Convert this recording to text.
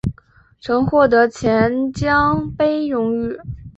曾获得钱江杯荣誉。